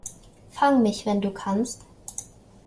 Fang mich, wenn du kannst!